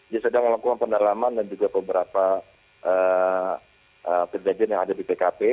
dia sedang melakukan pendalaman dan juga beberapa kejadian yang ada di tkp